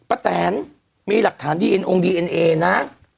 ป้าแต่นมีหลักฐานดีเอ็นโอ้งดีเอ็นเอนะ